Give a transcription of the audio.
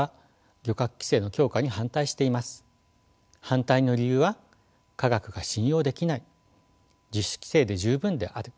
反対の理由は「科学が信用できない」「自主規制で十分である」